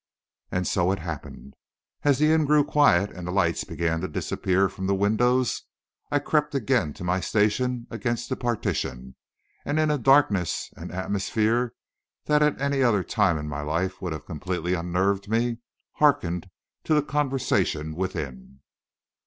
And so it happened. As the inn grew quiet and the lights began to disappear from the windows, I crept again to my station against the partition, and in a darkness and atmosphere that at any other time in my life would have completely unnerved me, hearkened to the conversation within.